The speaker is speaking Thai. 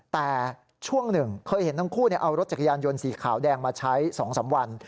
แต่ช่วงหนึ่งเคยเห็นทั้งคู่เอารถจักรยานยนต์สีขาวแดงมาใช้๒๓วัน